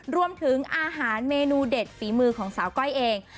รวมถึงอาหารเมนูเด็ดฝีมือของสาวก้อยเอง